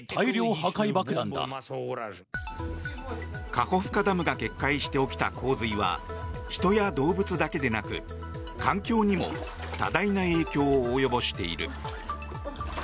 カホフカダムが決壊して起きた洪水は人や動物だけでなく、環境にも多大な影響を及ぼしている。